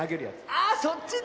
あそっちね。